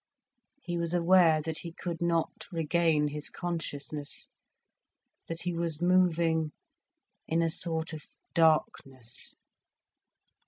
He was aware that he could not regain his consciousness, that he was moving in a sort of darkness.